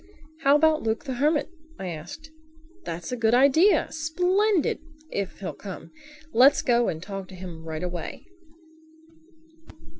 "How about Luke the Hermit?" I asked. "That's a good idea—splendid—if he'll come. Let's go and ask him right away."